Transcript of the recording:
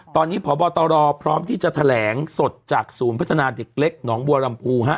ตอนนี้พบตรพร้อมที่จะแถลงสดจากศูนย์พัฒนาเด็กเล็กหนองบัวลำพูฮะ